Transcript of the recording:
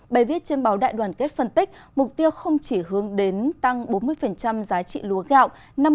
bài viết trên báo đại đoàn kết phân tích mục tiêu không chỉ hướng đến tăng bốn mươi giá trị lúa gạo